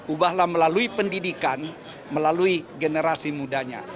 ubahlah melalui pendidikan melalui generasi mudanya